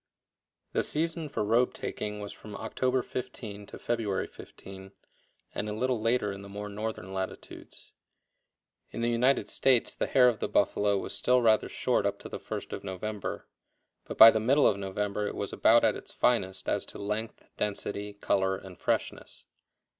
The season for robe taking was from October 15 to February 15, and a little later in the more northern latitudes. In the United States the hair of the buffalo was still rather short up to the first of November; but by the middle of November it was about at its finest as to length, density, color, and freshness.